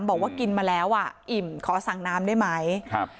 บอกว่ากินมาแล้วอ่ะอิ่มขอสั่งน้ำได้ไหมครับ